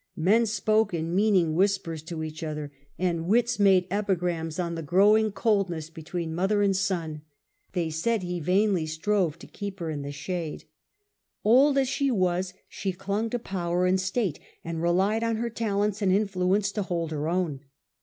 Men spoke in meaning whispers to each other, and wits made A //. E 50 The Earlier Empire, a.d. 14 37 epigrams on the growing coldness between mother and son. They said he vainly strove to keep her in the shade. Old as she was, she clung to power and state, and relied on her talents and influence to hold her own.